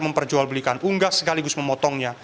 memperjualbelikan unggas sekaligus memotongnya